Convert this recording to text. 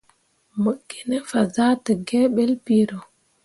Mo gine fazahtǝgǝǝ ɓelle piro.